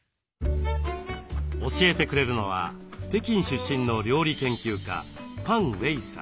教えてくれるのは北京出身の料理研究家パン・ウェイさん。